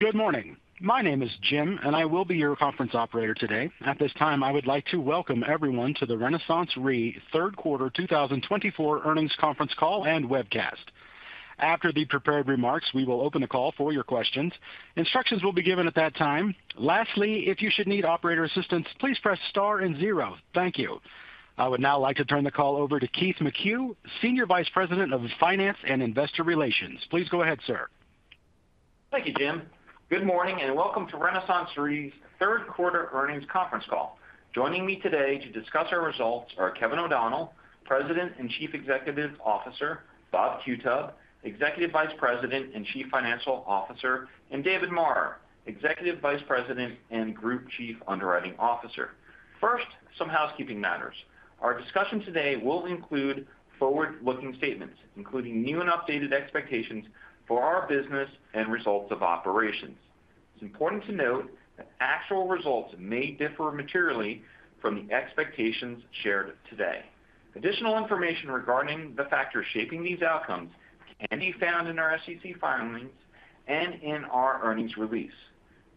Good morning. My name is Jim, and I will be your conference operator today. At this time, I would like to welcome everyone to the RenaissanceRe 3rd Quarter 2024 earnings conference call and webcast. After the prepared remarks, we will open the call for your questions. Instructions will be given at that time. Lastly, if you should need operator assistance, please press star and zero. Thank you. I would now like to turn the call over to Keith McCue, Senior Vice President of Finance and Investor Relations. Please go ahead, sir. Thank you, Jim. Good morning and welcome to RenaissanceRe's third quarter earnings conference call. Joining me today to discuss our results are Kevin O'Donnell, President and Chief Executive Officer; Bob Qutub, Executive Vice President and Chief Financial Officer; and David Marra, Executive Vice President and Group Chief Underwriting Officer. First, some housekeeping matters. Our discussion today will include forward-looking statements, including new and updated expectations for our business and results of operations. It's important to note that actual results may differ materially from the expectations shared today. Additional information regarding the factors shaping these outcomes can be found in our SEC filings and in our earnings release.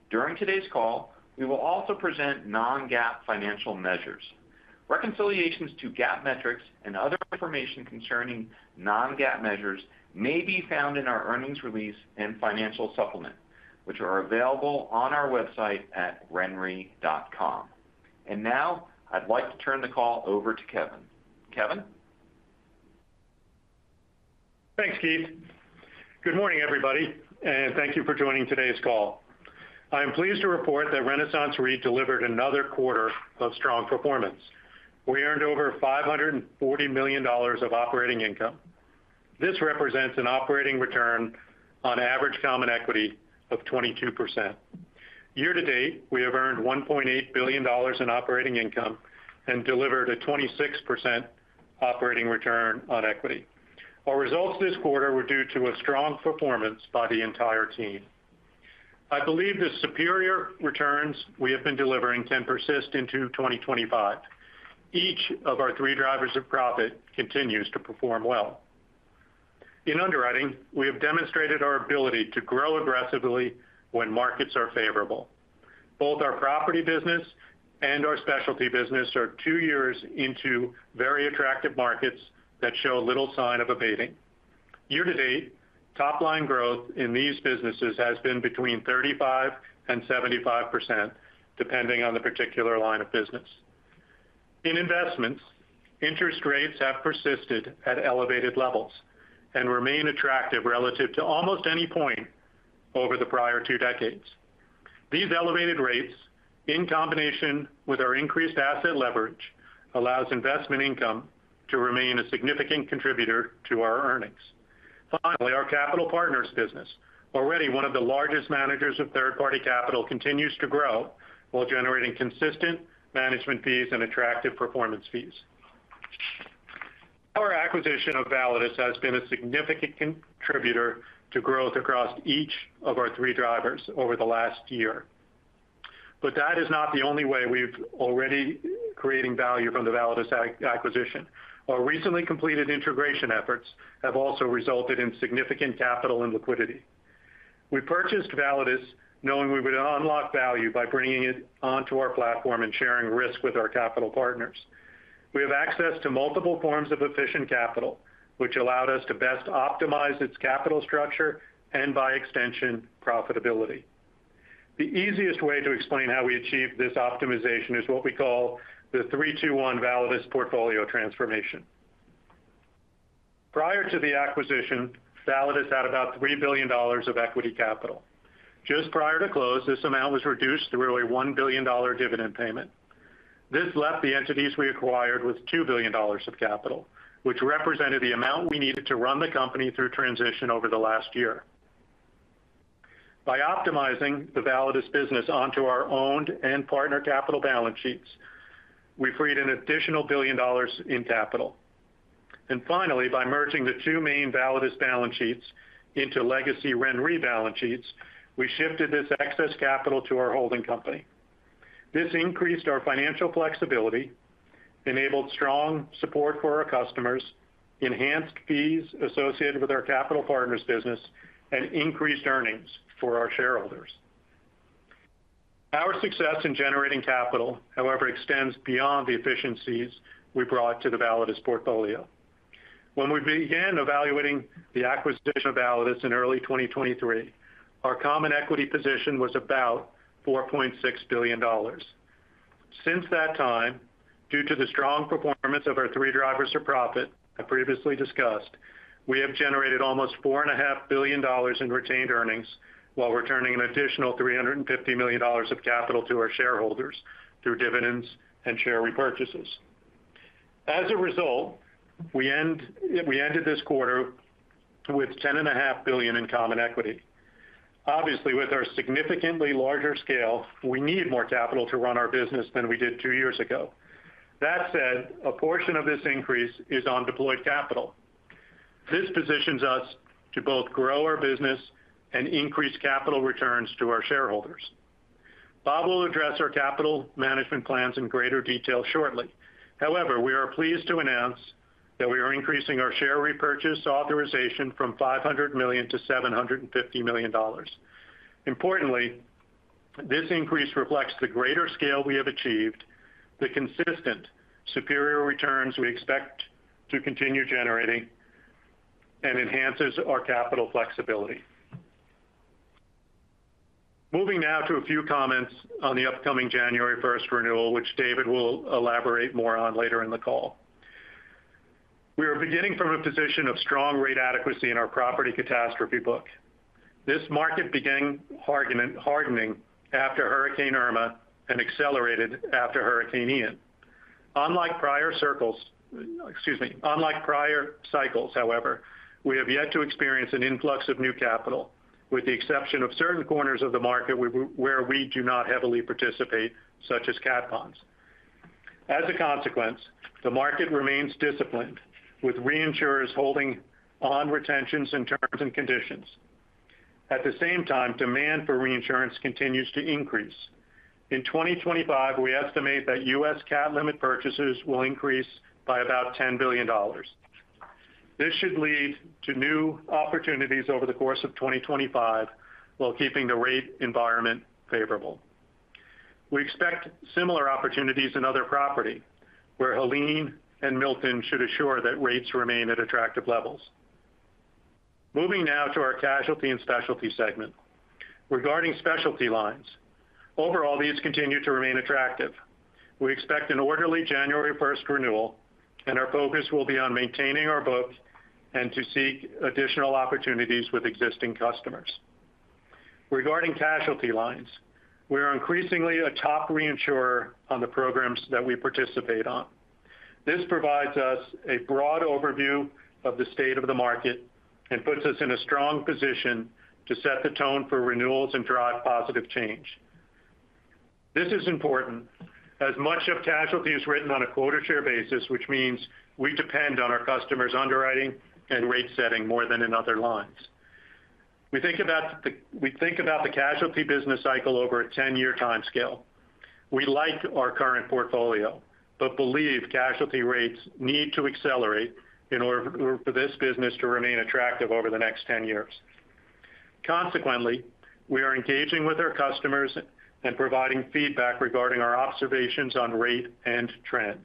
During today's call, we will also present non-GAAP financial measures. Reconciliations to GAAP metrics and other information concerning non-GAAP measures may be found in our earnings release and financial supplement, which are available on our website at renre.com. And now, I'd like to turn the call over to Kevin. Kevin? Thanks, Keith. Good morning, everybody, and thank you for joining today's call. I am pleased to report that RenaissanceRe delivered another quarter of strong performance. We earned over $540 million of operating income. This represents an operating return on average common equity of 22%. Year to date, we have earned $1.8 billion in operating income and delivered a 26% operating return on equity. Our results this quarter were due to a strong performance by the entire team. I believe the superior returns we have been delivering can persist into 2025. Each of our three drivers of profit continues to perform well. In underwriting, we have demonstrated our ability to grow aggressively when markets are favorable. Both our property business and our specialty business are two years into very attractive markets that show little sign of abating. Year to date, top-line growth in these businesses has been between 35% and 75%, depending on the particular line of business. In investments, interest rates have persisted at elevated levels and remain attractive relative to almost any point over the prior two decades. These elevated rates, in combination with our increased asset leverage, allow investment income to remain a significant contributor to our earnings. Finally, our capital partners business, already one of the largest managers of third-party capital, continues to grow while generating consistent management fees and attractive performance fees. Our acquisition of Validus has been a significant contributor to growth across each of our three drivers over the last year. But that is not the only way we've already created value from the Validus acquisition. Our recently completed integration efforts have also resulted in significant capital and liquidity. We purchased Validus knowing we would unlock value by bringing it onto our platform and sharing risk with our capital partners. We have access to multiple forms of efficient capital, which allowed us to best optimize its capital structure and, by extension, profitability. The easiest way to explain how we achieved this optimization is what we call the 3-2-1 Validus portfolio transformation. Prior to the acquisition, Validus had about $3 billion of equity capital. Just prior to close, this amount was reduced through a $1 billion dividend payment. This left the entities we acquired with $2 billion of capital, which represented the amount we needed to run the company through transition over the last year. By optimizing the Validus business onto our owned and partner capital balance sheets, we freed an additional billion dollars in capital. And finally, by merging the two main Validus balance sheets into legacy RenRe balance sheets, we shifted this excess capital to our holding company. This increased our financial flexibility, enabled strong support for our customers, enhanced fees associated with our capital partners business, and increased earnings for our shareholders. Our success in generating capital, however, extends beyond the efficiencies we brought to the Validus portfolio. When we began evaluating the acquisition of Validus in early 2023, our common equity position was about $4.6 billion. Since that time, due to the strong performance of our three drivers of profit I previously discussed, we have generated almost $4.5 billion in retained earnings while returning an additional $350 million of capital to our shareholders through dividends and share repurchases. As a result, we ended this quarter with $10.5 billion in common equity. Obviously, with our significantly larger scale, we need more capital to run our business than we did two years ago. That said, a portion of this increase is on deployed capital. This positions us to both grow our business and increase capital returns to our shareholders. Bob will address our capital management plans in greater detail shortly. However, we are pleased to announce that we are increasing our share repurchase authorization from $500 million to $750 million. Importantly, this increase reflects the greater scale we have achieved, the consistent superior returns we expect to continue generating, and enhances our capital flexibility. Moving now to a few comments on the upcoming January 1st renewal, which David will elaborate more on later in the call. We are beginning from a position of strong rate adequacy in our property catastrophe book. This market began hardening after Hurricane Irma and accelerated after Hurricane Ian. Unlike prior circles, excuse me, unlike prior cycles, however, we have yet to experience an influx of new capital, with the exception of certain corners of the market where we do not heavily participate, such as cat funds. As a consequence, the market remains disciplined, with reinsurers holding on retentions and terms and conditions. At the same time, demand for reinsurance continues to increase. In 2025, we estimate that U.S. cat limit purchases will increase by about $10 billion. This should lead to new opportunities over the course of 2025 while keeping the rate environment favorable. We expect similar opportunities in other property, where Helene and Milton should assure that rates remain at attractive levels. Moving now to our casualty and specialty segment. Regarding specialty lines, overall, these continue to remain attractive. We expect an orderly January 1st renewal, and our focus will be on maintaining our book and to seek additional opportunities with existing customers. Regarding casualty lines, we are increasingly a top reinsurer on the programs that we participate on. This provides us a broad overview of the state of the market and puts us in a strong position to set the tone for renewals and drive positive change. This is important, as much of casualty is written on a quota share basis, which means we depend on our customers' underwriting and rate setting more than in other lines. We think about the casualty business cycle over a 10-year time scale. We like our current portfolio, but believe casualty rates need to accelerate in order for this business to remain attractive over the next 10 years. Consequently, we are engaging with our customers and providing feedback regarding our observations on rate and trend.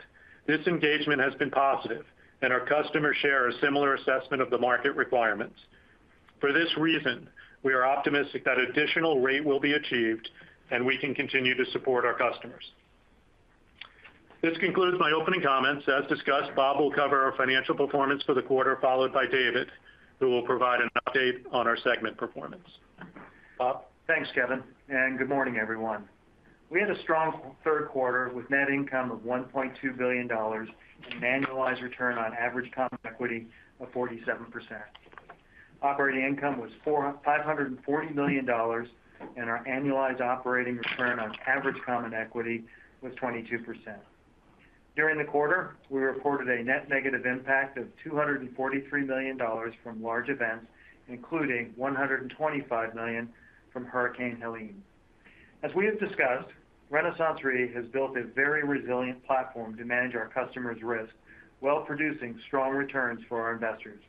This engagement has been positive, and our customers share a similar assessment of the market requirements. For this reason, we are optimistic that additional rate will be achieved and we can continue to support our customers. This concludes my opening comments. As discussed, Bob will cover our financial performance for the quarter, followed by David, who will provide an update on our segment performance. Bob? Thanks, Kevin. Good morning, everyone. We had a strong third quarter with net income of $1.2 billion and an annualized return on average common equity of 47%. Operating income was $540 million, and our annualized operating return on average common equity was 22%. During the quarter, we reported a net negative impact of $243 million from large events, including $125 million from Hurricane Helene. As we have discussed, RenaissanceRe has built a very resilient platform to manage our customers' risk, while producing strong returns for our investors.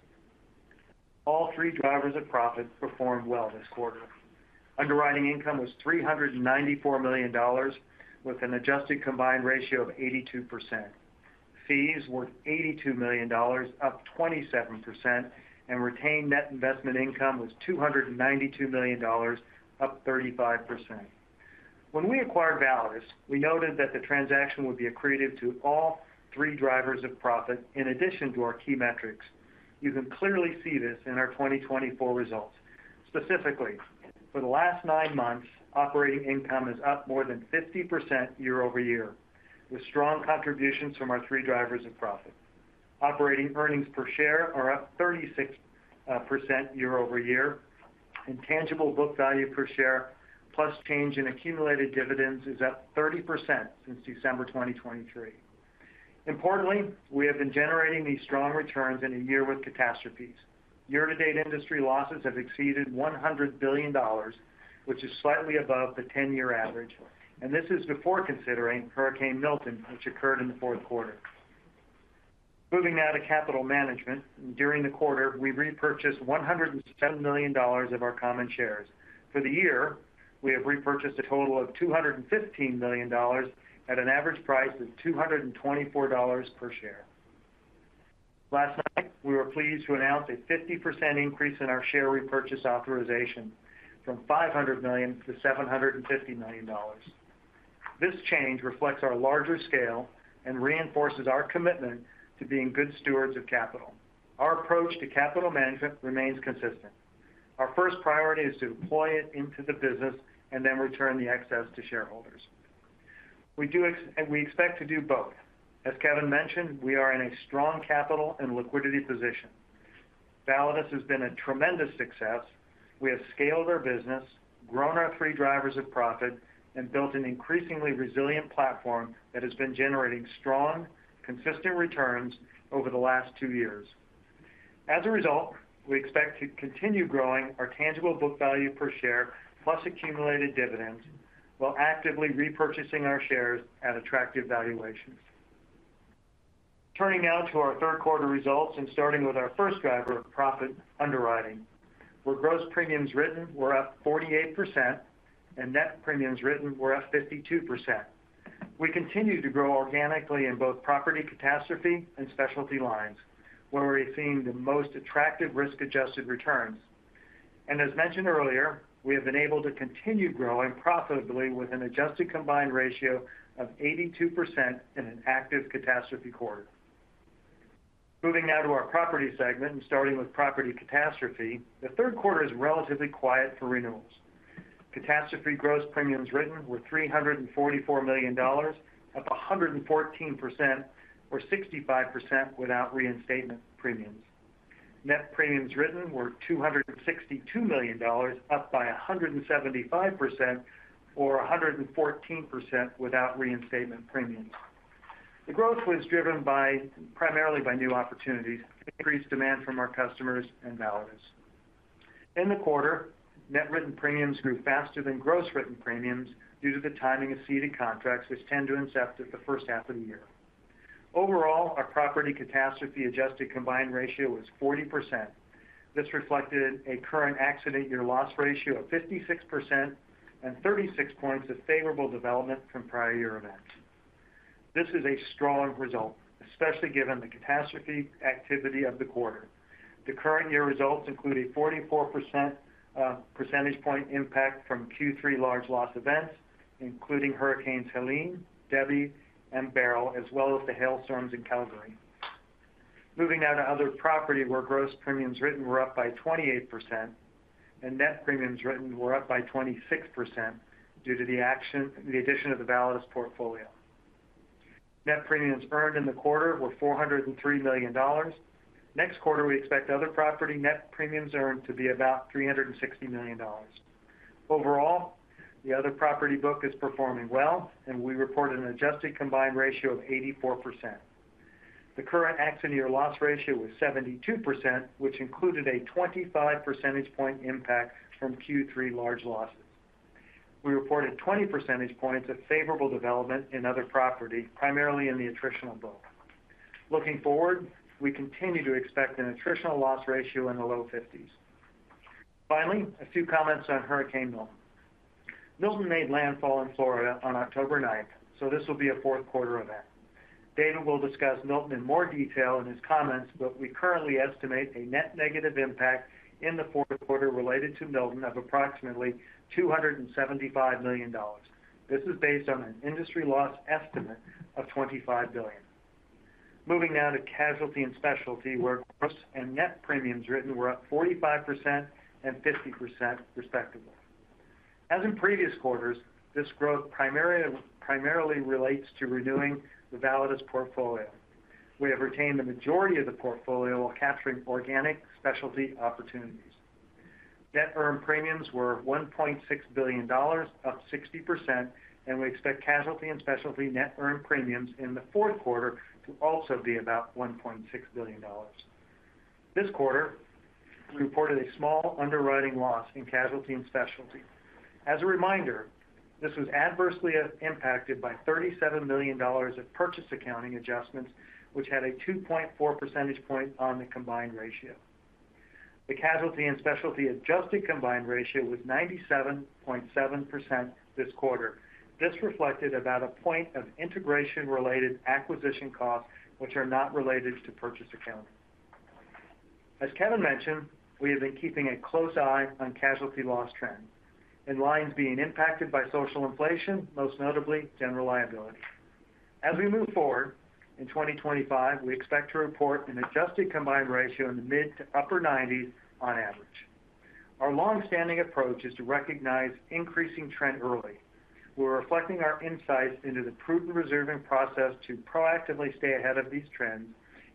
All three drivers of profit performed well this quarter. Underwriting income was $394 million, with an adjusted combined ratio of 82%. Fees were $82 million, up 27%, and retained net investment income was $292 million, up 35%. When we acquired Validus, we noted that the transaction would be accretive to all three drivers of profit in addition to our key metrics. You can clearly see this in our 2024 results. Specifically, for the last nine months, operating income is up more than 50% year over year, with strong contributions from our three drivers of profit. Operating earnings per share are up 36% year over year, and tangible book value per share, plus change in accumulated dividends, is up 30% since December 2023. Importantly, we have been generating these strong returns in a year with catastrophes. Year-to-date industry losses have exceeded $100 billion, which is slightly above the 10-year average, and this is before considering Hurricane Milton, which occurred in the 4th Quarter. Moving now to capital management. During the quarter, we repurchased $107 million of our common shares. For the year, we have repurchased a total of $215 million at an average price of $224 per share. Last night, we were pleased to announce a 50% increase in our share repurchase authorization from $500 million to $750 million. This change reflects our larger scale and reinforces our commitment to being good stewards of capital. Our approach to capital management remains consistent. Our first priority is to deploy it into the business and then return the excess to shareholders. We expect to do both. As Kevin mentioned, we are in a strong capital and liquidity position. Validus has been a tremendous success. We have scaled our business, grown our three drivers of profit, and built an increasingly resilient platform that has been generating strong, consistent returns over the last two years. As a result, we expect to continue growing our tangible book value per share, plus accumulated dividends, while actively repurchasing our shares at attractive valuations. Turning now to our third quarter results and starting with our first driver of profit, underwriting. Where gross premiums written, we're up 48%, and net premiums written, we're up 52%. We continue to grow organically in both property catastrophe and specialty lines, where we're seeing the most attractive risk-adjusted returns. And as mentioned earlier, we have been able to continue growing profitably with an adjusted combined ratio of 82% in an active catastrophe quarter. Moving now to our property segment and starting with property catastrophe, the third quarter is relatively quiet for renewals. Catastrophe gross premiums written were $344 million, up 114%, or 65% without reinstatement premiums. Net premiums written were $262 million, up by 175%, or 114% without reinstatement premiums. The growth was driven primarily by new opportunities, increased demand from our customers, and Validus. In the quarter, net written premiums grew faster than gross written premiums due to the timing of ceding contracts, which tend to incept at the first half of the year. Overall, our property catastrophe adjusted combined ratio was 40%. This reflected a current accident-year loss ratio of 56% and 36 points of favorable development from prior year events. This is a strong result, especially given the catastrophe activity of the quarter. The current year results include a 44 percentage point impact from Q3 large loss events, including Hurricanes Helene, Debby, and Beryl, as well as the hailstorms in Calgary. Moving now to other property, where gross premiums written were up by 28% and net premiums written were up by 26% due to the addition of the Validus portfolio. Net premiums earned in the quarter were $403 million. Next quarter, we expect other property net premiums earned to be about $360 million. Overall, the other property book is performing well, and we reported an adjusted combined ratio of 84%. The current accident-year loss ratio was 72%, which included a 25 percentage point impact from Q3 large losses. We reported 20 percentage points of favorable development in other property, primarily in the attritional book. Looking forward, we continue to expect an attritional loss ratio in the low 50s. Finally, a few comments on Hurricane Milton. Milton made landfall in Florida on October 9th, so this will be a 4th Quarter event. David will discuss Milton in more detail in his comments, but we currently estimate a net negative impact in the 4th Quarter related to Milton of approximately $275 million. This is based on an industry loss estimate of $25 billion. Moving now to casualty and specialty, where gross and net premiums written were up 45% and 50%, respectively. As in previous quarters, this growth primarily relates to renewing the Validus portfolio. We have retained the majority of the portfolio while capturing organic specialty opportunities. Net earned premiums were $1.6 billion, up 60%, and we expect casualty and specialty net earned premiums in the 4th Quarter to also be about $1.6 billion. This quarter, we reported a small underwriting loss in casualty and specialty. As a reminder, this was adversely impacted by $37 million of purchase accounting adjustments, which had a 2.4 percentage point on the combined ratio. The casualty and specialty adjusted combined ratio was 97.7% this quarter. This reflected about a point of integration-related acquisition costs, which are not related to purchase accounting. As Kevin mentioned, we have been keeping a close eye on casualty loss trends, and lines being impacted by social inflation, most notably general liability. As we move forward, in 2025, we expect to report an adjusted combined ratio in the mid to upper 90s on average. Our longstanding approach is to recognize increasing trend early. We're reflecting our insights into the prudent reserving process to proactively stay ahead of these trends,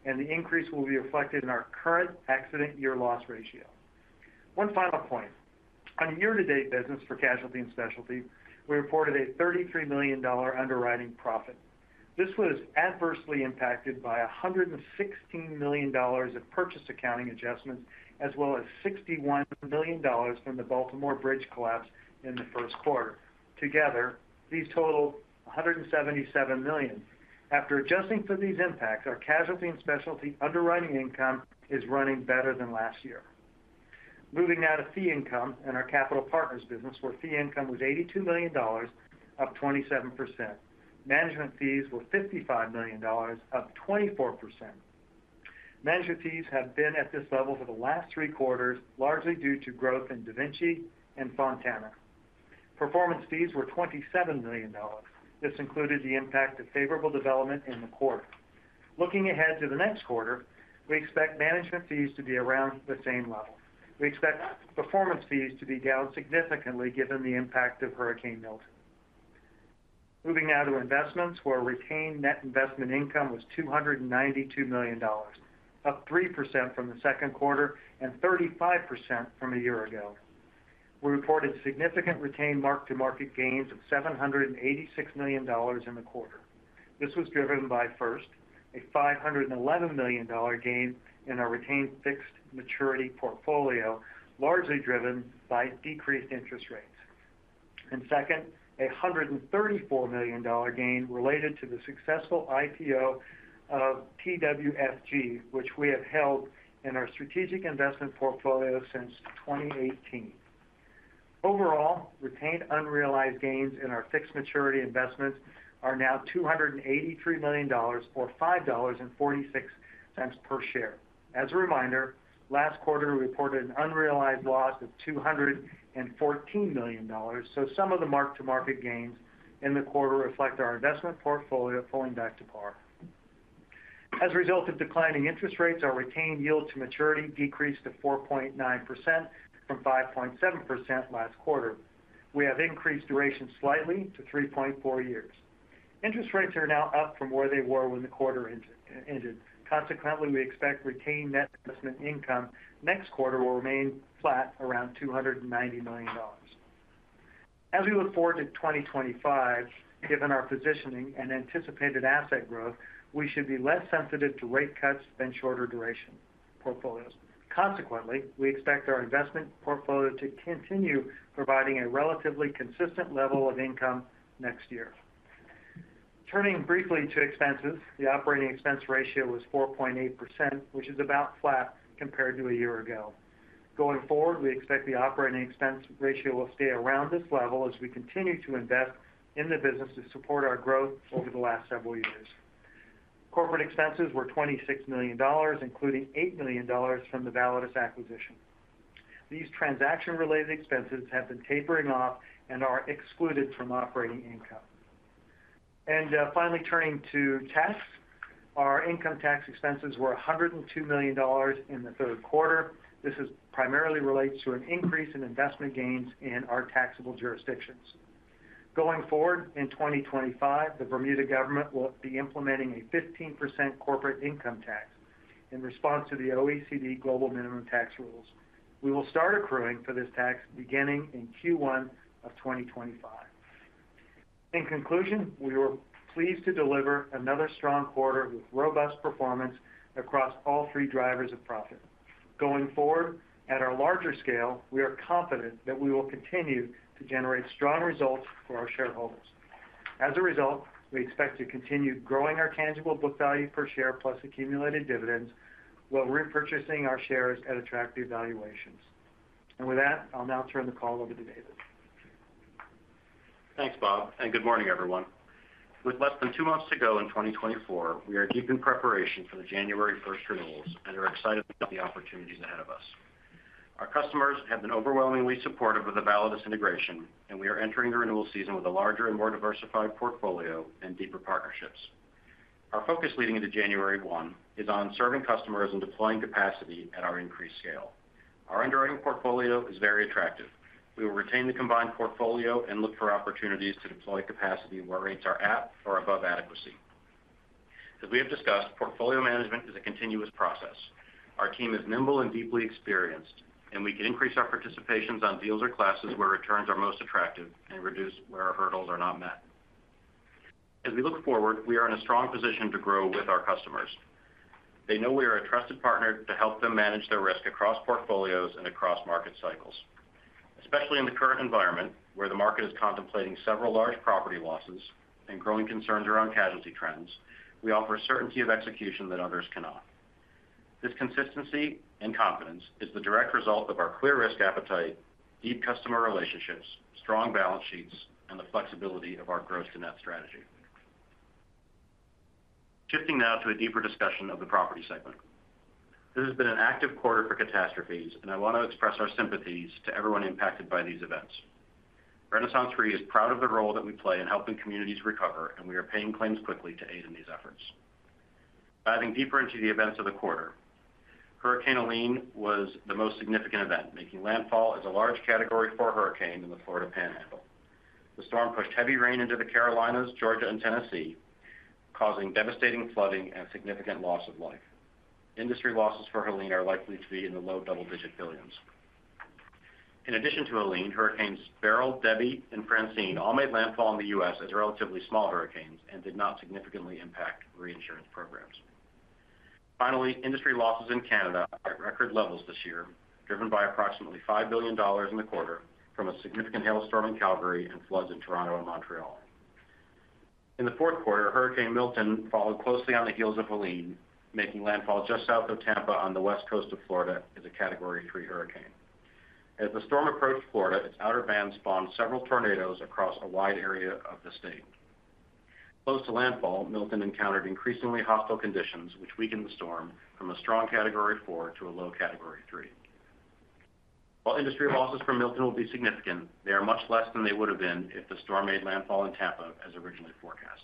and the increase will be reflected in our current accident-year loss ratio. One final point. On year-to-date business for casualty and specialty, we reported a $33 million underwriting profit. This was adversely impacted by $116 million of purchase accounting adjustments, as well as $61 million from the Baltimore Bridge collapse in the first quarter. Together, these totaled $177 million. After adjusting for these impacts, our casualty and specialty underwriting income is running better than last year. Moving now to fee income and our capital partners' business, where fee income was $82 million, up 27%. Management fees were $55 million, up 24%. Management fees have been at this level for the last three quarters, largely due to growth in DaVinci and Fontana. Performance fees were $27 million. This included the impact of favorable development in the quarter. Looking ahead to the next quarter, we expect management fees to be around the same level. We expect performance fees to be down significantly given the impact of Hurricane Milton. Moving now to investments, where retained net investment income was $292 million, up 3% from the second quarter and 35% from a year ago. We reported significant retained mark-to-market gains of $786 million in the quarter. This was driven by, first, a $511 million gain in our retained fixed maturity portfolio, largely driven by decreased interest rates. And second, a $134 million gain related to the successful IPO of TWFG, which we have held in our strategic investment portfolio since 2018. Overall, retained unrealized gains in our fixed maturity investments are now $283 million, or $5.46 per share. As a reminder, last quarter, we reported an unrealized loss of $214 million, so some of the mark-to-market gains in the quarter reflect our investment portfolio pulling back to par. As a result of declining interest rates, our retained yield-to-maturity decreased to 4.9% from 5.7% last quarter. We have increased duration slightly to 3.4 years. Interest rates are now up from where they were when the quarter ended. Consequently, we expect retained net investment income next quarter will remain flat around $290 million. As we look forward to 2025, given our positioning and anticipated asset growth, we should be less sensitive to rate cuts than shorter duration portfolios. Consequently, we expect our investment portfolio to continue providing a relatively consistent level of income next year. Turning briefly to expenses, the operating expense ratio was 4.8%, which is about flat compared to a year ago. Going forward, we expect the operating expense ratio will stay around this level as we continue to invest in the business to support our growth over the last several years. Corporate expenses were $26 million, including $8 million from the Validus acquisition. These transaction-related expenses have been tapering off and are excluded from operating income. Finally, turning to tax, our income tax expenses were $102 million in the 3rd Quarter. This primarily relates to an increase in investment gains in our taxable jurisdictions. Going forward, in 2025, the Bermuda government will be implementing a 15% corporate income tax in response to the OECD Global Minimum Tax Rules. We will start accruing for this tax beginning in Q1 of 2025. In conclusion, we were pleased to deliver another strong quarter with robust performance across all three drivers of profit. Going forward, at our larger scale, we are confident that we will continue to generate strong results for our shareholders. As a result, we expect to continue growing our tangible book value per share plus accumulated dividends while repurchasing our shares at attractive valuations. And with that, I'll now turn the call over to David. Thanks, Bob, and good morning, everyone. With less than two months to go in 2024, we are deep in preparation for the January 1st renewals and are excited about the opportunities ahead of us. Our customers have been overwhelmingly supportive of the Validus integration, and we are entering the renewal season with a larger and more diversified portfolio and deeper partnerships. Our focus leading into January 1 is on serving customers and deploying capacity at our increased scale. Our underwriting portfolio is very attractive. We will retain the combined portfolio and look for opportunities to deploy capacity where rates are at or above adequacy. As we have discussed, portfolio management is a continuous process. Our team is nimble and deeply experienced, and we can increase our participations on deals or classes where returns are most attractive and reduce where our hurdles are not met. As we look forward, we are in a strong position to grow with our customers. They know we are a trusted partner to help them manage their risk across portfolios and across market cycles. Especially in the current environment, where the market is contemplating several large property losses and growing concerns around casualty trends, we offer a certainty of execution that others cannot. This consistency and confidence is the direct result of our clear risk appetite, deep customer relationships, strong balance sheets, and the flexibility of our gross-to-net strategy. Shifting now to a deeper discussion of the property segment. This has been an active quarter for catastrophes, and I want to express our sympathies to everyone impacted by these events. RenaissanceRe is proud of the role that we play in helping communities recover, and we are paying claims quickly to aid in these efforts. Diving deeper into the events of the quarter, Hurricane Helene was the most significant event, making landfall as a large category four hurricane in the Florida Panhandle. The storm pushed heavy rain into the Carolinas, Georgia, and Tennessee, causing devastating flooding and significant loss of life. Industry losses for Helene are likely to be in the low double-digit billions. In addition to Helene, Hurricanes Beryl, Debby, and Francine all made landfall in the U.S. as relatively small hurricanes and did not significantly impact reinsurance programs. Finally, industry losses in Canada are at record levels this year, driven by approximately $5 billion in the quarter from a significant hailstorm in Calgary and floods in Toronto and Montreal. In the fourth quarter, Hurricane Milton followed closely on the heels of Helene, making landfall just south of Tampa on the west coast of Florida as a category three hurricane. As the storm approached Florida, its outer band spawned several tornadoes across a wide area of the state. Close to landfall, Milton encountered increasingly hostile conditions, which weakened the storm from a strong category four to a low category three. While industry losses for Milton will be significant, they are much less than they would have been if the storm made landfall in Tampa, as originally forecast.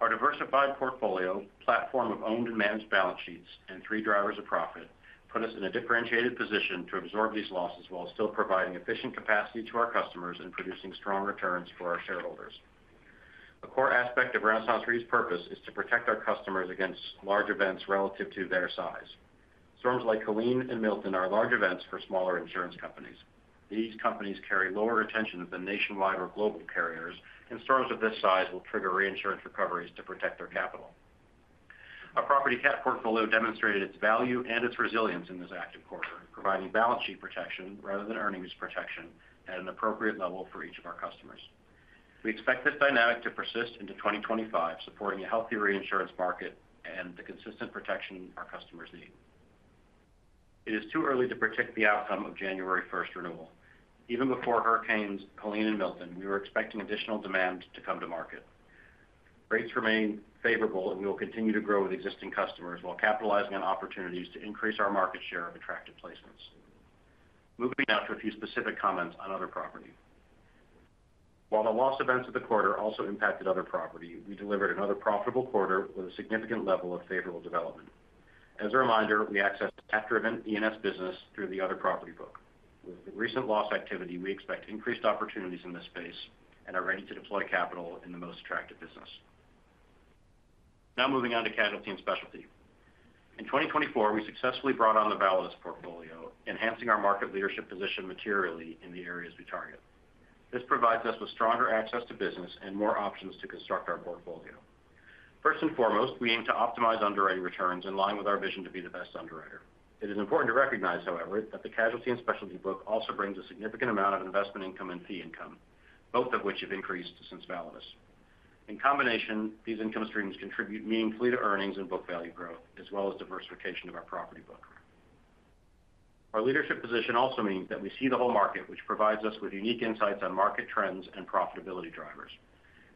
Our diversified portfolio, platform of owned and managed balance sheets, and three drivers of profit put us in a differentiated position to absorb these losses while still providing efficient capacity to our customers and producing strong returns for our shareholders. A core aspect of RenaissanceRe's purpose is to protect our customers against large events relative to their size. Storms like Helene and Milton are large events for smaller insurance companies. These companies carry lower retention than nationwide or global carriers, and storms of this size will trigger reinsurance recoveries to protect their capital. Our property cat portfolio demonstrated its value and its resilience in this active quarter, providing balance sheet protection rather than earnings protection at an appropriate level for each of our customers. We expect this dynamic to persist into 2025, supporting a healthy reinsurance market and the consistent protection our customers need. It is too early to predict the outcome of January 1st renewal. Even before hurricanes Helene and Milton, we were expecting additional demand to come to market. Rates remain favorable, and we will continue to grow with existing customers while capitalizing on opportunities to increase our market share of attractive placements. Moving now to a few specific comments on other property. While the loss events of the quarter also impacted other property, we delivered another profitable quarter with a significant level of favorable development. As a reminder, we accessed Cat-driven E&S business through the other property book. With recent loss activity, we expect increased opportunities in this space and are ready to deploy capital in the most attractive business. Now moving on to casualty and specialty. In 2024, we successfully brought on the Validus portfolio, enhancing our market leadership position materially in the areas we target. This provides us with stronger access to business and more options to construct our portfolio. First and foremost, we aim to optimize underwriting returns in line with our vision to be the best underwriter. It is important to recognize, however, that the casualty and specialty book also brings a significant amount of investment income and fee income, both of which have increased since Validus. In combination, these income streams contribute meaningfully to earnings and book value growth, as well as diversification of our property book. Our leadership position also means that we see the whole market, which provides us with unique insights on market trends and profitability drivers.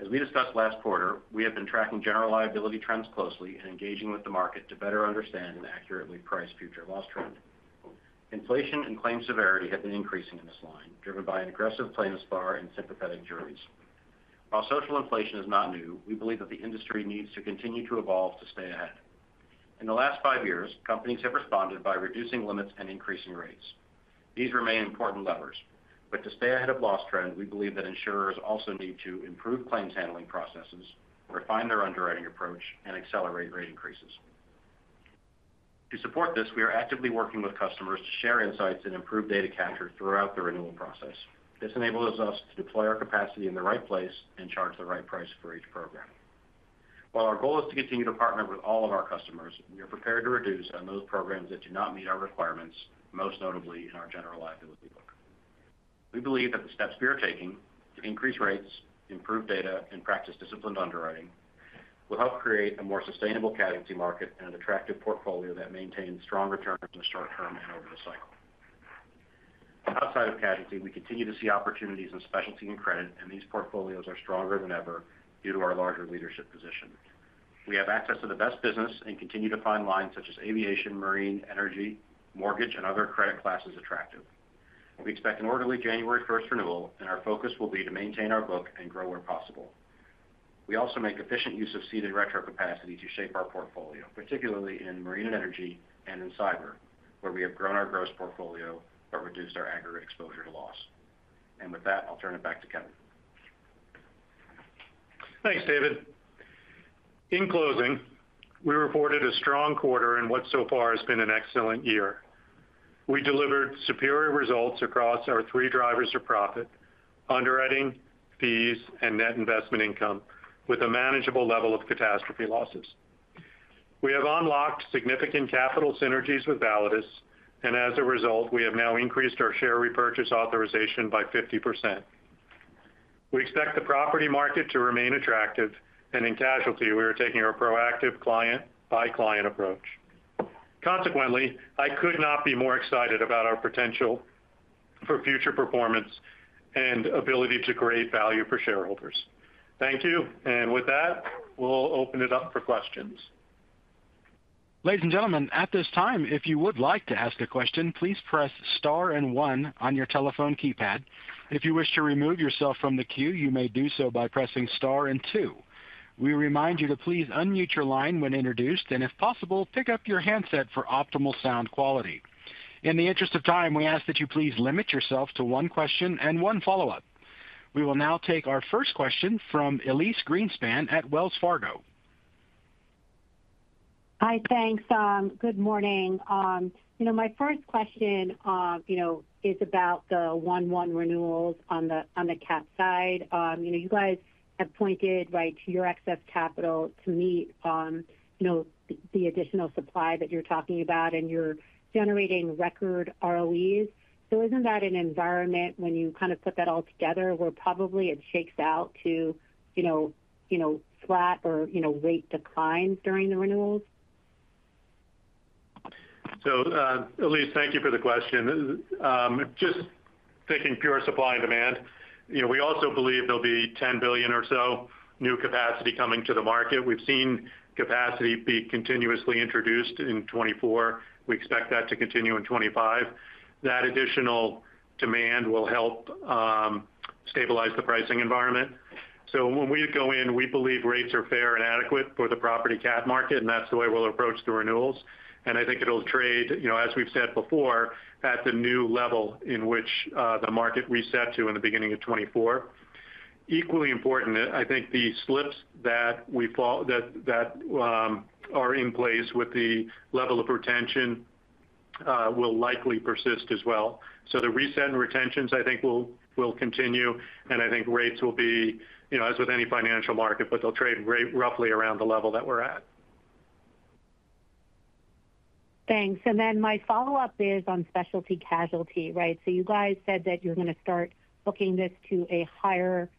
As we discussed last quarter, we have been tracking General Liability trends closely and engaging with the market to better understand and accurately price future loss trend. Inflation and claim severity have been increasing in this line, driven by an aggressive plaintiff's bar and sympathetic juries. While social inflation is not new, we believe that the industry needs to continue to evolve to stay ahead. In the last five years, companies have responded by reducing limits and increasing rates. These remain important levers. But to stay ahead of loss trend, we believe that insurers also need to improve claims handling processes, refine their underwriting approach, and accelerate rate increases. To support this, we are actively working with customers to share insights and improve data capture throughout the renewal process. This enables us to deploy our capacity in the right place and charge the right price for each program. While our goal is to continue to partner with all of our customers, we are prepared to reduce on those programs that do not meet our requirements, most notably in our general liability book. We believe that the steps we are taking to increase rates, improve data, and practice disciplined underwriting will help create a more sustainable casualty market and an attractive portfolio that maintains strong returns in the short term and over the cycle. Outside of casualty, we continue to see opportunities in specialty and credit, and these portfolios are stronger than ever due to our larger leadership position. We have access to the best business and continue to find lines such as aviation, marine, energy, mortgage, and other credit classes attractive. We expect an orderly January 1st renewal, and our focus will be to maintain our book and grow where possible. We also make efficient use of cede and retro capacity to shape our portfolio, particularly in marine and energy and in cyber, where we have grown our gross portfolio but reduced our aggregate exposure to loss, and with that, I'll turn it back to Kevin. Thanks, David. In closing, we reported a strong quarter in what so far has been an excellent year. We delivered superior results across our three drivers of profit: underwriting, fees, and net investment income, with a manageable level of catastrophe losses. We have unlocked significant capital synergies with Validus, and as a result, we have now increased our share repurchase authorization by 50%. We expect the property market to remain attractive, and in casualty, we are taking a proactive client-by-client approach. Consequently, I could not be more excited about our potential for future performance and ability to create value for shareholders. Thank you, and with that, we'll open it up for questions. Ladies and gentlemen, at this time, if you would like to ask a question, please press star and one on your telephone keypad. If you wish to remove yourself from the queue, you may do so by pressing star and two. We remind you to please unmute your line when introduced, and if possible, pick up your handset for optimal sound quality. In the interest of time, we ask that you please limit yourself to one question and one follow-up. We will now take our first question from Elyse Greenspan at Wells Fargo. Hi, thanks. Good morning. My first question is about the one-to-one renewals on the cap side. You guys have pointed to your excess capital to meet the additional supply that you're talking about, and you're generating record ROEs. So isn't that an environment, when you kind of put that all together, where probably it shakes out to flat or rate declines during the renewals? So Elise, thank you for the question. Just thinking pure supply and demand, we also believe there'll be $10 billion or so new capacity coming to the market. We've seen capacity be continuously introduced in 2024. We expect that to continue in 2025. That additional demand will help stabilize the pricing environment. So when we go in, we believe rates are fair and adequate for the property cat market, and that's the way we'll approach the renewals. And I think it'll trade, as we've said before, at the new level in which the market reset to in the beginning of 2024. Equally important, I think the slips that are in place with the level of retention will likely persist as well. So the reset and retentions, I think, will continue, and I think rates will be, as with any financial market, but they'll trade roughly around the level that we're at. Thanks. And then my follow-up is on specialty casualty. So you guys said that you're going to start booking this to a higher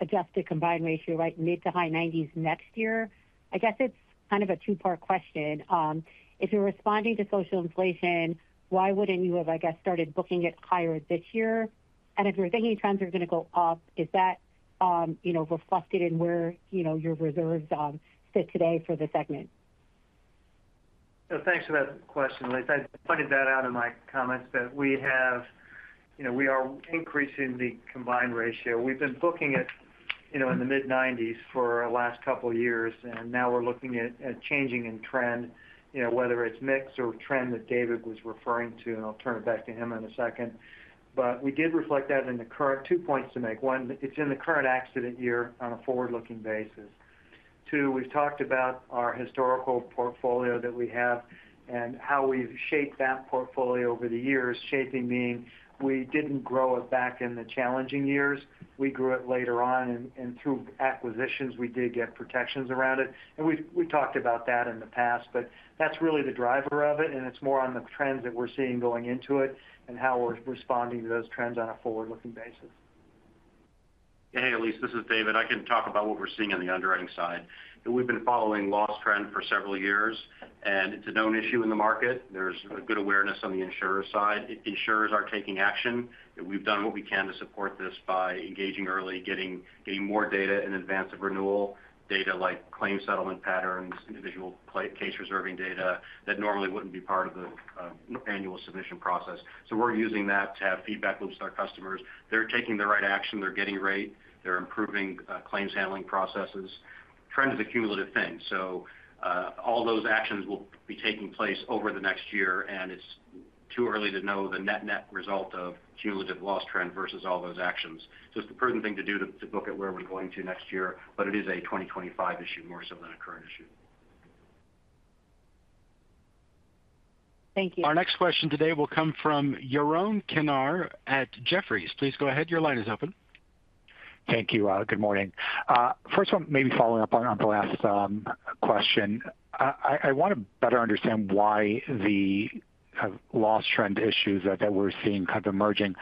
adjusted combined ratio, mid- to high 90s next year. I guess it's kind of a two-part question. If you're responding to social inflation, why wouldn't you have, I guess, started booking it higher this year? And if you're thinking trends are going to go up, is that reflected in where your reserves sit today for the segment? Thanks for that question, Elise. I pointed that out in my comments that we are increasing the combined ratio. We've been booking it in the mid-90s for the last couple of years, and now we're looking at changing in trend, whether it's mixed or trend that David was referring to, and I'll turn it back to him in a second. But we did reflect that in the current two points to make. One, it's in the current accident year on a forward-looking basis. Two, we've talked about our historical portfolio that we have and how we've shaped that portfolio over the years, shaping meaning we didn't grow it back in the challenging years. We grew it later on, and through acquisitions, we did get protections around it. We've talked about that in the past, but that's really the driver of it, and it's more on the trends that we're seeing going into it and how we're responding to those trends on a forward-looking basis. Hey, Elise. This is David. I can talk about what we're seeing on the underwriting side. We've been following loss trend for several years, and it's a known issue in the market. There's good awareness on the insurer side. Insurers are taking action. We've done what we can to support this by engaging early, getting more data in advance of renewal, data like claim settlement patterns, individual case reserving data that normally wouldn't be part of the annual submission process. So we're using that to have feedback loops to our customers. They're taking the right action. They're getting rate. They're improving claims handling processes. Trend is a cumulative thing. So all those actions will be taking place over the next year, and it's too early to know the net-net result of cumulative loss trend versus all those actions. So it's the prudent thing to do to book it where we're going to next year, but it is a 2025 issue more so than a current issue. Thank you. Our next question today will come from Yaron Kinar at Jefferies. Please go ahead. Your line is open. Thank you. Good morning. First one, maybe following up on the last question. I want to better understand why the loss trend issues that we're seeing kind of emerging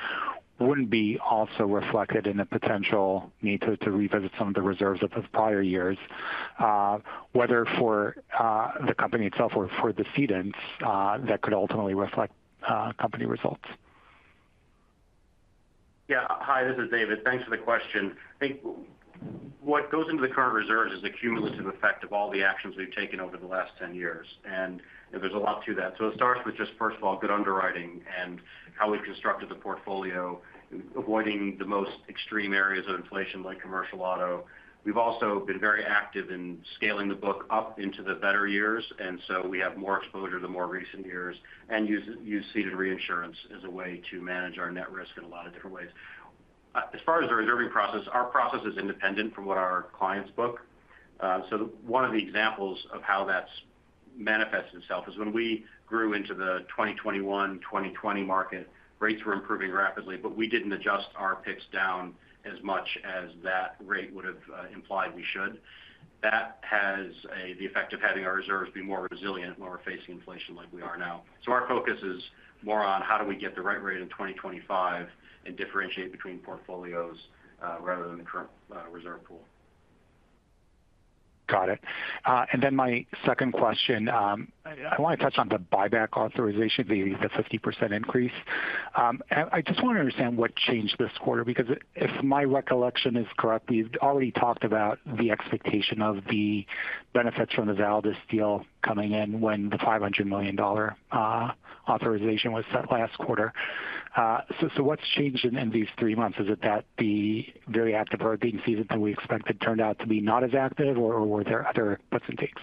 wouldn't be also reflected in a potential need to revisit some of the reserves of the prior years, whether for the company itself or for the cedings that could ultimately reflect company results. Yeah. Hi, this is David. Thanks for the question. I think what goes into the current reserves is a cumulative effect of all the actions we've taken over the last 10 years, and there's a lot to that. So it starts with just, first of all, good underwriting and how we've constructed the portfolio, avoiding the most extreme areas of inflation like commercial auto. We've also been very active in scaling the book up into the better years, and so we have more exposure to the more recent years and use ceding and reinsurance as a way to manage our net risk in a lot of different ways. As far as the reserving process, our process is independent from what our clients book. So, one of the examples of how that's manifested itself is when we grew into the 2021-2020 market, rates were improving rapidly, but we didn't adjust our picks down as much as that rate would have implied we should. That has the effect of having our reserves be more resilient when we're facing inflation like we are now. So, our focus is more on how do we get the right rate in 2025 and differentiate between portfolios rather than the current reserve pool. Got it. And then my second question, I want to touch on the buyback authorization, the 50% increase. I just want to understand what changed this quarter because if my recollection is correct, we've already talked about the expectation of the benefits from the Validus deal coming in when the $500 million authorization was set last quarter. So what's changed in these three months? Is it that the very active or being ceded that we expected turned out to be not as active, or were there other puts and takes?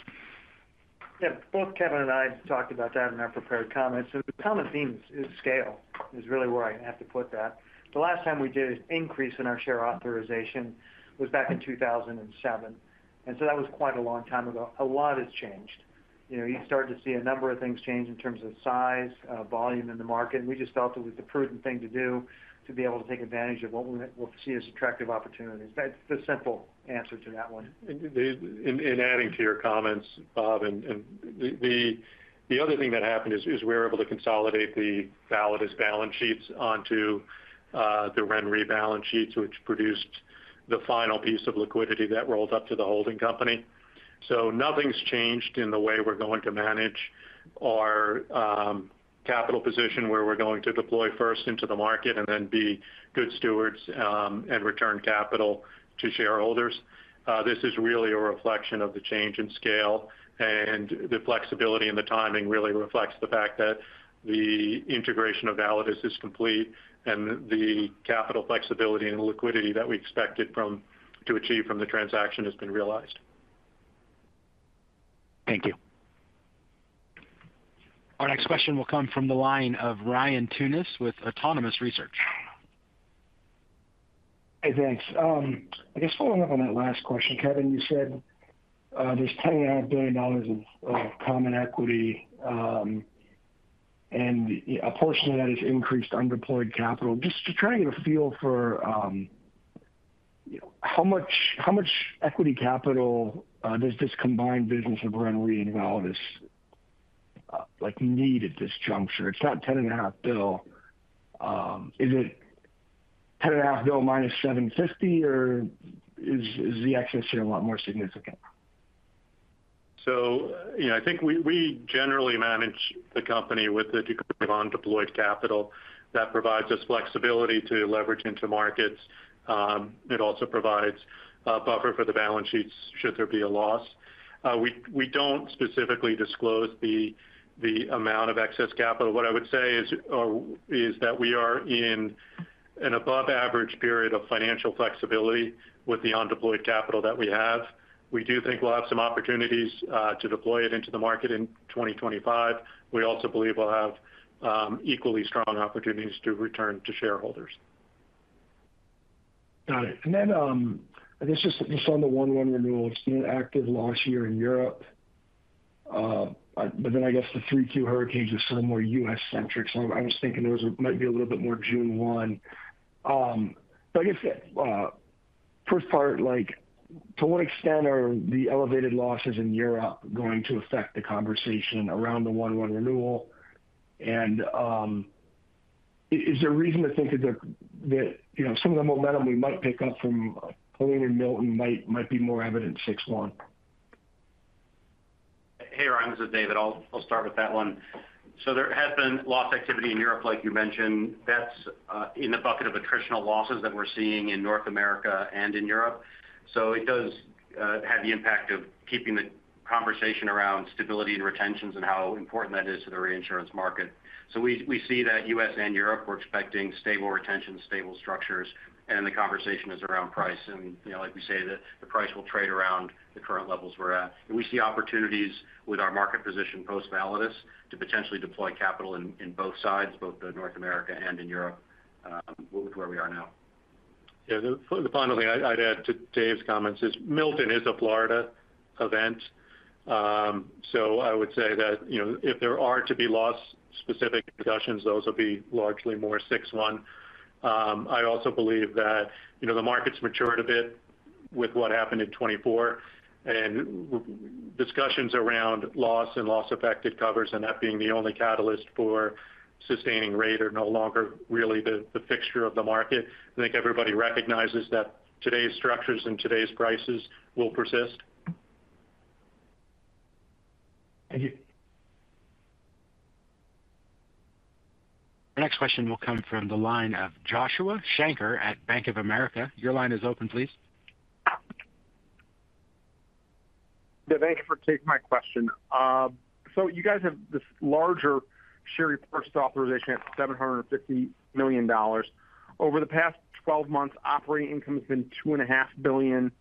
Yeah. Both Kevin and I talked about that in our prepared comments. So the common theme is scale is really where I have to put that. The last time we did an increase in our share authorization was back in 2007, and so that was quite a long time ago. A lot has changed. You started to see a number of things change in terms of size, volume in the market. We just felt it was the prudent thing to do to be able to take advantage of what we'll see as attractive opportunities. That's the simple answer to that one. In addition to your comments, Bob, and the other thing that happened is we were able to consolidate the Validus balance sheets onto the RENRE balance sheets, which produced the final piece of liquidity that rolled up to the holding company. So nothing's changed in the way we're going to manage our capital position, where we're going to deploy first into the market and then be good stewards and return capital to shareholders. This is really a reflection of the change in scale, and the flexibility and the timing really reflects the fact that the integration of Validus is complete and the capital flexibility and liquidity that we expected to achieve from the transaction has been realized. Thank you. Our next question will come from the line of Ryan Tunis with Autonomous Research. Hey, thanks. I guess following up on that last question, Kevin, you said there's $10 billion of common equity, and a portion of that is increased undeployed capital. Just to try and get a feel for how much equity capital does this combined business of RenaissanceRe and Validus need at this juncture? It's not $10.5 billion. Is it $10.5 billion minus $750 million, or is the excess here a lot more significant? So I think we generally manage the company with the degree of undeployed capital that provides us flexibility to leverage into markets. It also provides a buffer for the balance sheets should there be a loss. We don't specifically disclose the amount of excess capital. What I would say is that we are in an above-average period of financial flexibility with the undeployed capital that we have. We do think we'll have some opportunities to deploy it into the market in 2025. We also believe we'll have equally strong opportunities to return to shareholders. Got it. And then I guess just on the one-to-one renewals, attritional loss year in Europe, but then I guess the Q3 hurricanes are somewhere U.S.-centric, so I was thinking there might be a little bit more June 1. But I guess first part, to what extent are the elevated losses in Europe going to affect the conversation around the one-to-one renewal? And is there a reason to think that some of the momentum we might pick up from Helene and Milton might be more evident in June 1? Hey, Ryan's with David. I'll start with that one. So there has been loss activity in Europe, like you mentioned. That's in the bucket of attritional losses that we're seeing in North America and in Europe. So it does have the impact of keeping the conversation around stability and retentions and how important that is to the reinsurance market. So we see that U.S. and Europe are expecting stable retention, stable structures, and the conversation is around price. And like we say, the price will trade around the current levels we're at. And we see opportunities with our market position post-Validus to potentially deploy capital in both sides, both North America and in Europe, with where we are now. Yeah. The final thing I'd add to Dave's comments is Milton is a Florida event. So I would say that if there are to be loss-specific discussions, those will be largely more June 1. I also believe that the market's matured a bit with what happened in 2024, and discussions around loss and loss-affected covers and that being the only catalyst for sustaining rate are no longer really the fixture of the market. I think everybody recognizes that today's structures and today's prices will persist. Thank you. Our next question will come from the line of Joshua Shanker at Bank of America. Your line is open, please. Yeah, thank you for taking my question. So you guys have this larger share repurchase authorization at $750 million. Over the past 12 months, operating income has been $2.5 billion,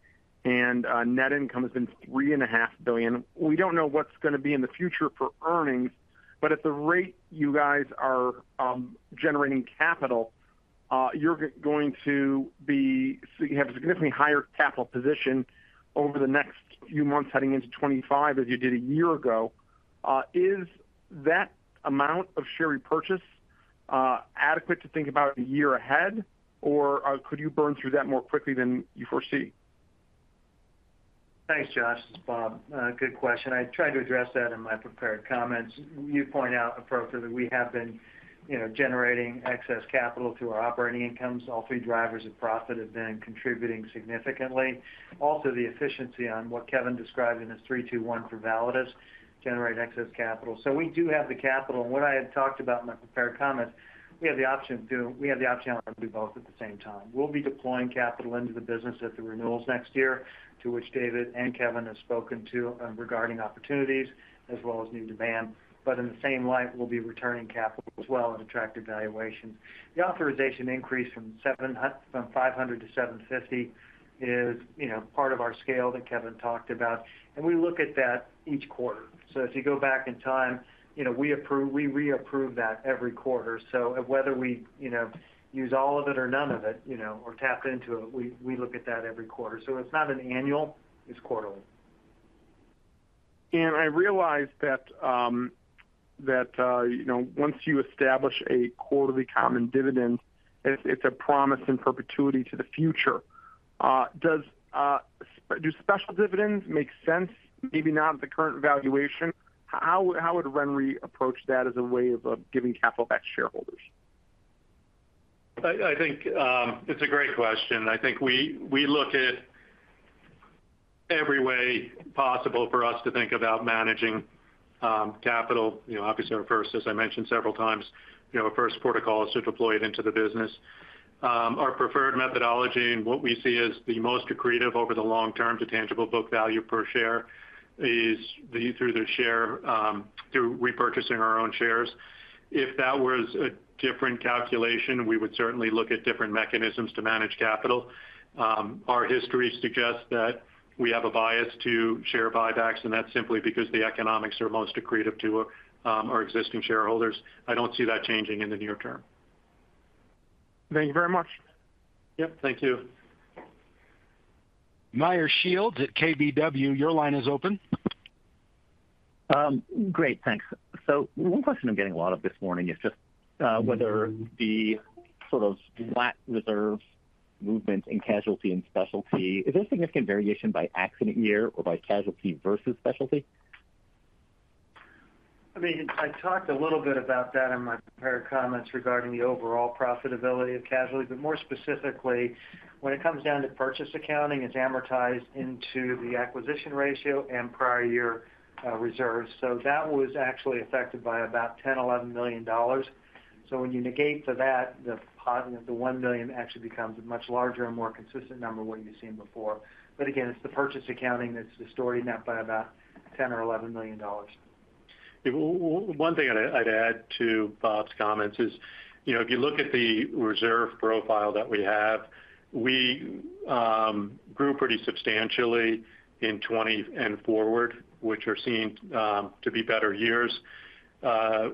and net income has been $3.5 billion. We don't know what's going to be in the future for earnings, but at the rate you guys are generating capital, you're going to have a significantly higher capital position over the next few months heading into 2025 as you did a year ago. Is that amount of share repurchase adequate to think about a year ahead, or could you burn through that more quickly than you foresee? Thanks, Josh. This is Bob. Good question. I tried to address that in my prepared comments. You point out appropriately we have been generating excess capital through our operating incomes. All three drivers of profit have been contributing significantly. Also, the efficiency on what Kevin described in his 3-2-1 for Validus generating excess capital. So we do have the capital. And what I had talked about in my prepared comments, we have the option to do both at the same time. We'll be deploying capital into the business at the renewals next year, to which David and Kevin have spoken to regarding opportunities as well as new demand. But in the same light, we'll be returning capital as well at attractive valuations. The authorization increase from 500 to 750 is part of our scale that Kevin talked about, and we look at that each quarter. So if you go back in time, we reapprove that every quarter. So whether we use all of it or none of it or tap into it, we look at that every quarter. So it's not an annual. It's quarterly. I realize that once you establish a quarterly common dividend, it's a promise in perpetuity to the future. Do special dividends make sense? Maybe not at the current valuation. How would RENRE approach that as a way of giving capital back to shareholders? I think it's a great question. I think we look at every way possible for us to think about managing capital. Obviously, our first, as I mentioned several times, our first protocol is to deploy it into the business. Our preferred methodology and what we see as the most accretive over the long term to tangible book value per share is through repurchasing our own shares. If that was a different calculation, we would certainly look at different mechanisms to manage capital. Our history suggests that we have a bias to share buybacks, and that's simply because the economics are most accretive to our existing shareholders. I don't see that changing in the near term. Thank you very much. Yep. Thank you. Meyer Shields at KBW. Your line is open. Great. Thanks. So one question I'm getting a lot of this morning is just whether the sort of flat reserve movement in casualty and specialty is there significant variation by accident year or by casualty versus specialty? I mean, I talked a little bit about that in my prepared comments regarding the overall profitability of casualty, but more specifically, when it comes down to purchase accounting, it's amortized into the acquisition ratio and prior year reserves. So that was actually affected by about $10-$11 million. So when you negate for that, the $1 million actually becomes a much larger and more consistent number of what you've seen before. But again, it's the purchase accounting that's distorting that by about $10-$11 million. One thing I'd add to Bob's comments is if you look at the reserve profile that we have, we grew pretty substantially in 2020 and forward, which are seen to be better years.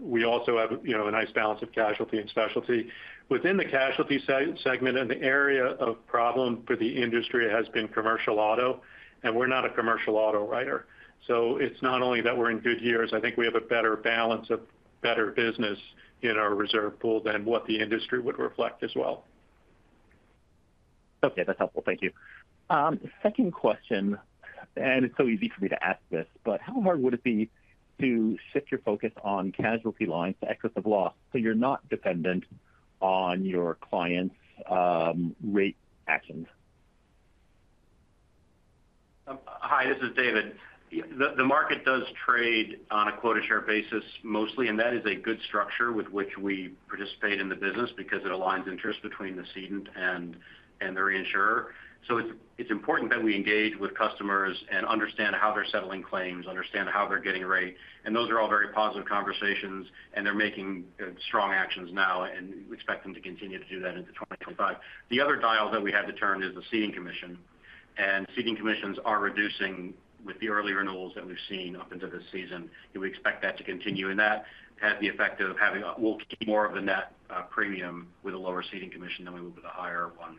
We also have a nice balance of casualty and specialty. Within the casualty segment, the area of problem for the industry has been commercial auto, and we're not a commercial auto writer. So it's not only that we're in good years, I think we have a better balance of better business in our reserve pool than what the industry would reflect as well. Okay. That's helpful. Thank you. Second question, and it's so easy for me to ask this, but how hard would it be to shift your focus on casualty lines to excess of loss so you're not dependent on your clients' rate actions? Hi, this is David. The market does trade on a quota share basis mostly, and that is a good structure with which we participate in the business because it aligns interests between the cedent and the reinsurer. So it's important that we engage with customers and understand how they're settling claims, understand how they're getting rate. And those are all very positive conversations, and they're making strong actions now, and we expect them to continue to do that into 2025. The other dial that we had to turn is the ceding commission. And ceding commissions are reducing with the early renewals that we've seen up into this season. And we expect that to continue. And that has the effect of we'll keep more of the net premium with a lower ceding commission than we will with a higher one,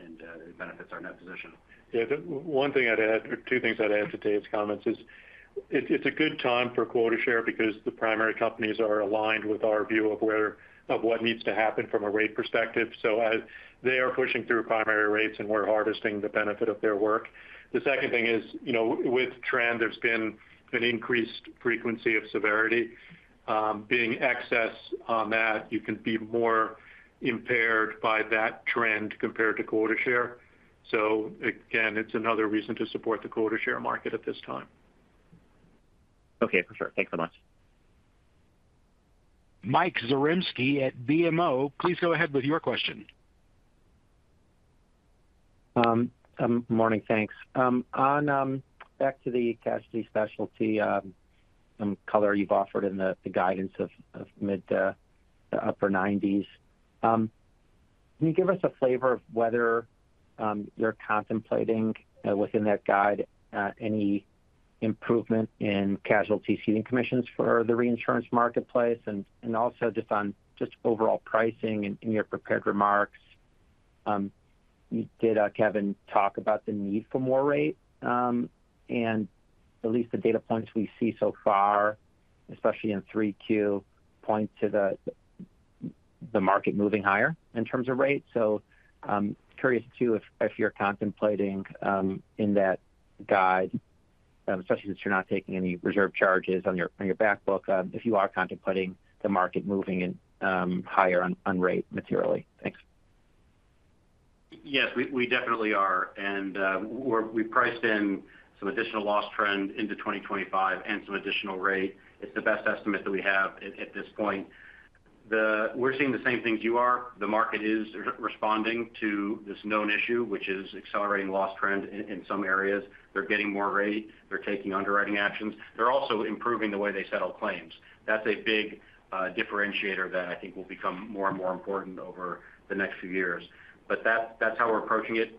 and it benefits our net position. Yeah. One thing I'd add, or two things I'd add to Dave's comments, is it's a good time for quota share because the primary companies are aligned with our view of what needs to happen from a rate perspective. So they are pushing through primary rates, and we're harvesting the benefit of their work. The second thing is, with trend, there's been an increased frequency of severity. Being excess on that, you can be more impaired by that trend compared to quota share. So again, it's another reason to support the quota share market at this time. Okay. For sure. Thanks so much. Mike Zaremski at BMO. Please go ahead with your question. Morning. Thanks. Back to the casualty specialty, some color you've offered in the guidance of mid- to upper 90s. Can you give us a flavor of whether you're contemplating within that guide any improvement in casualty ceding commissions for the reinsurance marketplace? And also just on overall pricing in your prepared remarks, you did, Kevin, talk about the need for more rate. And at least the data points we see so far, especially in Q3, point to the market moving higher in terms of rate. So curious too if you're contemplating in that guide, especially since you're not taking any reserve charges on your back book, if you are contemplating the market moving higher on rate materially. Thanks. Yes, we definitely are. And we've priced in some additional loss trend into 2025 and some additional rate. It's the best estimate that we have at this point. We're seeing the same things you are. The market is responding to this known issue, which is accelerating loss trend in some areas. They're getting more rate. They're taking underwriting actions. They're also improving the way they settle claims. That's a big differentiator that I think will become more and more important over the next few years. But that's how we're approaching it.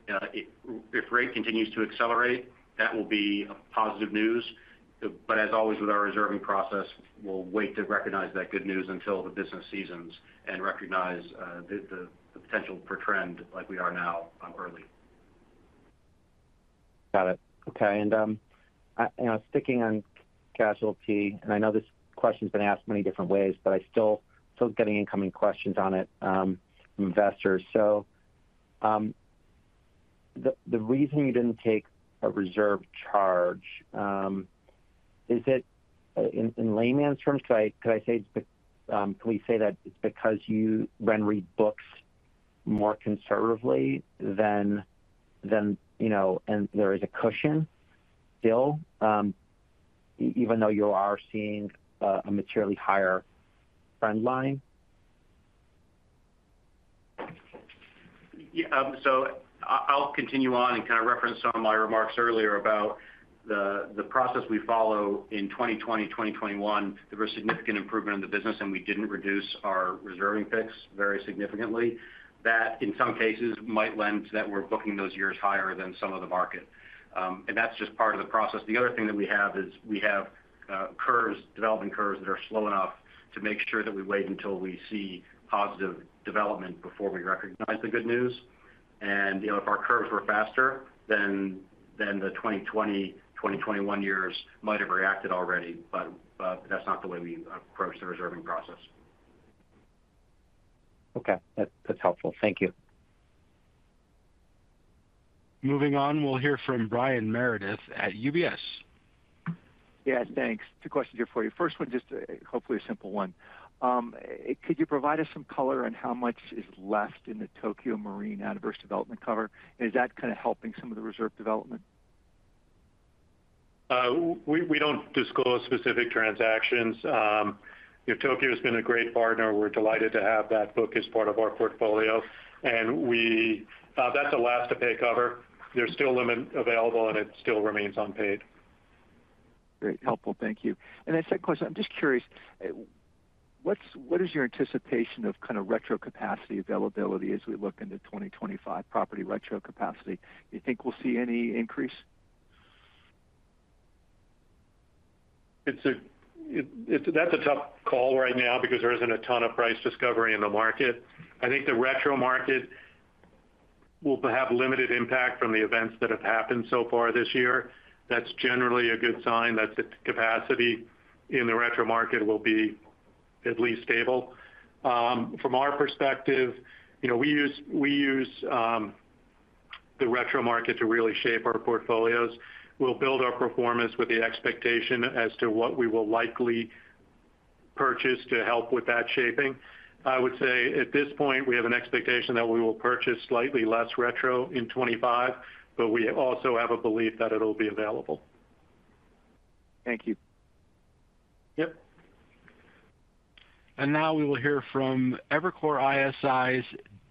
If rate continues to accelerate, that will be positive news. But as always with our reserving process, we'll wait to recognize that good news until the business seasons and recognize the potential for trend like we are now on early. Got it. Okay. And sticking on casualty, and I know this question's been asked many different ways, but I still get incoming questions on it from investors. So the reason you didn't take a reserve charge, is it in layman's terms? Could I say can we say that it's because you RenRe books more conservatively than there is a cushion? Still, even though you are seeing a materially higher trend line? Yeah. So I'll continue on and kind of reference some of my remarks earlier about the process we follow in 2020, 2021. There was significant improvement in the business, and we didn't reduce our reserving picks very significantly. That, in some cases, might lend to that we're booking those years higher than some of the market, and that's just part of the process. The other thing that we have is we have developing curves that are slow enough to make sure that we wait until we see positive development before we recognize the good news, and if our curves were faster, then the 2020, 2021 years might have reacted already, but that's not the way we approach the reserving process. Okay. That's helpful. Thank you. Moving on, we'll hear from Brian Meredith at UBS. Yes. Thanks. Two questions here for you. First one, just hopefully a simple one. Could you provide us some color on how much is left in the Tokio Marine out of its development cover? Is that kind of helping some of the reserve development? We don't disclose specific transactions. Tokio has been a great partner. We're delighted to have that book as part of our portfolio. And that's a last-to-pay cover. There's still limit available, and it still remains unpaid. Great. Helpful. Thank you. And that second question, I'm just curious, what is your anticipation of kind of retro capacity availability as we look into 2025 property retro capacity? Do you think we'll see any increase? That's a tough call right now because there isn't a ton of price discovery in the market. I think the retro market will have limited impact from the events that have happened so far this year. That's generally a good sign that the capacity in the retro market will be at least stable. From our perspective, we use the retro market to really shape our portfolios. We'll build our performance with the expectation as to what we will likely purchase to help with that shaping. I would say at this point, we have an expectation that we will purchase slightly less retro in 2025, but we also have a belief that it'll be available. Thank you. Yep. Now we will hear from Evercore ISI's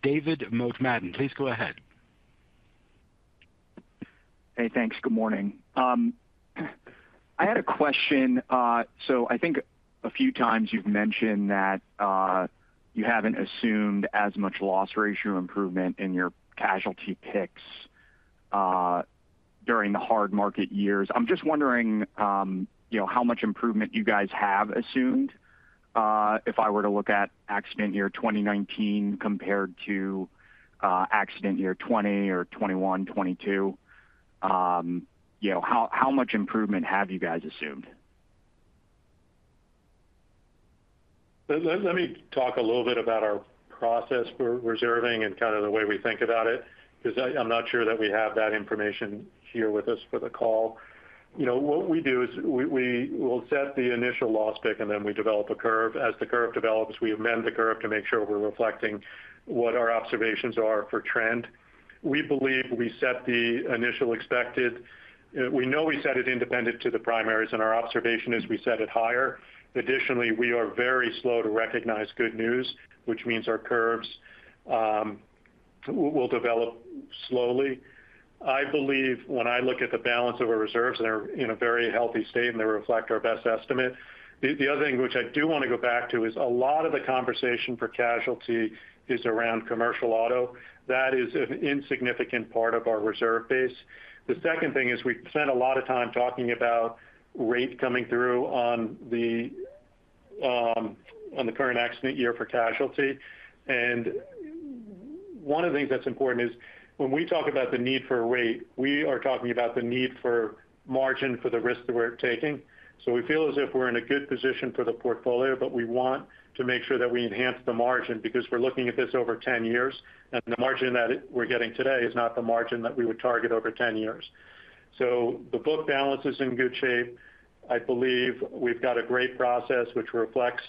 David Motemaden. Please go ahead. Hey, thanks. Good morning. I had a question. So I think a few times you've mentioned that you haven't assumed as much loss ratio improvement in your casualty picks during the hard market years. I'm just wondering how much improvement you guys have assumed if I were to look at accident year 2019 compared to accident year 2020 or 2021, 2022. How much improvement have you guys assumed? Let me talk a little bit about our process for reserving and kind of the way we think about it because I'm not sure that we have that information here with us for the call. What we do is we will set the initial loss pick, and then we develop a curve. As the curve develops, we amend the curve to make sure we're reflecting what our observations are for trend. We believe we set the initial expected. We know we set it independent to the primaries, and our observation is we set it higher. Additionally, we are very slow to recognize good news, which means our curves will develop slowly. I believe when I look at the balance of our reserves, they're in a very healthy state, and they reflect our best estimate. The other thing which I do want to go back to is a lot of the conversation for casualty is around commercial auto. That is an insignificant part of our reserve base. The second thing is we spend a lot of time talking about rate coming through on the current accident year for casualty. And one of the things that's important is when we talk about the need for rate, we are talking about the need for margin for the risk that we're taking. So we feel as if we're in a good position for the portfolio, but we want to make sure that we enhance the margin because we're looking at this over 10 years, and the margin that we're getting today is not the margin that we would target over 10 years. So the book balance is in good shape. I believe we've got a great process which reflects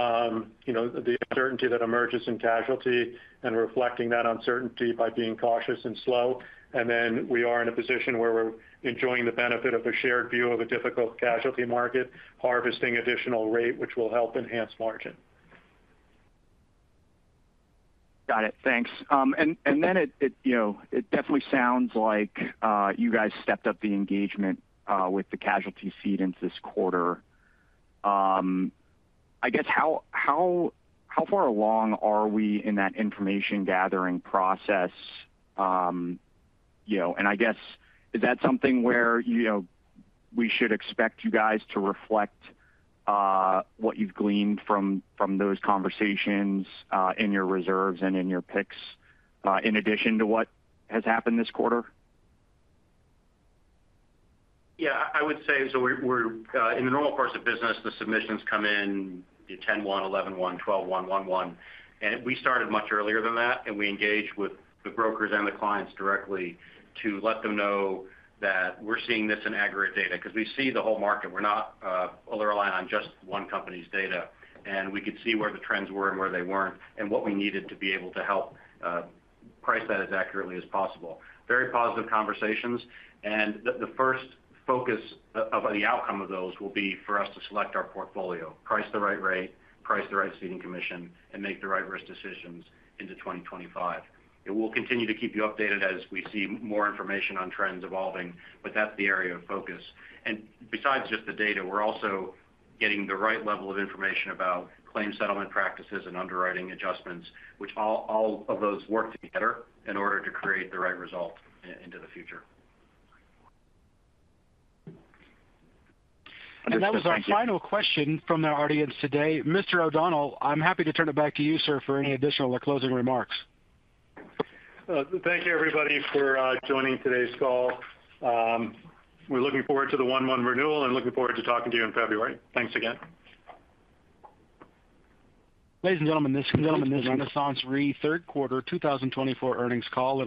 the uncertainty that emerges in casualty, and reflecting that uncertainty by being cautious and slow, and then we are in a position where we're enjoying the benefit of a shared view of a difficult casualty market, harvesting additional rate, which will help enhance margin. Got it. Thanks. And then it definitely sounds like you guys stepped up the engagement with the casualty side into this quarter. I guess how far along are we in that information-gathering process? And I guess, is that something where we should expect you guys to reflect what you've gleaned from those conversations in your reserves and in your picks in addition to what has happened this quarter? Yeah. I would say so in the normal parts of business, the submissions come in 10-1, 11-1, 12-1, 1-1. And we started much earlier than that, and we engaged with the brokers and the clients directly to let them know that we're seeing this in aggregate data because we see the whole market. We're not relying on just one company's data. And we could see where the trends were and where they weren't and what we needed to be able to help price that as accurately as possible. Very positive conversations. And the first focus of the outcome of those will be for us to select our portfolio, price the right rate, price the right ceding commission, and make the right risk decisions into 2025. And we'll continue to keep you updated as we see more information on trends evolving, but that's the area of focus. Besides just the data, we're also getting the right level of information about claim settlement practices and underwriting adjustments, which all of those work together in order to create the right result into the future. That was our final question from the audience today. Mr. O'Donnell, I'm happy to turn it back to you, sir, for any additional or closing remarks. Thank you, everybody, for joining today's call. We're looking forward to the one-month renewal and looking forward to talking to you in February. Thanks again. Ladies and gentlemen, this has been the RenaissanceRe third quarter 2024 earnings call.